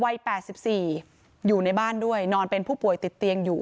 วัย๘๔อยู่ในบ้านด้วยนอนเป็นผู้ป่วยติดเตียงอยู่